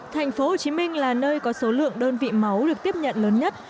thành phố hồ chí minh là nơi có số lượng đơn vị máu được tiếp nhận lớn nhất